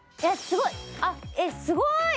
すごいあっえっすごい！